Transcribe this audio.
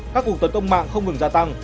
các cuộc tấn công mạng không ngừng gia tăng